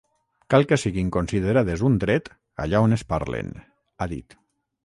Cal que siguin considerades un dret allà on es parlen, ha dit.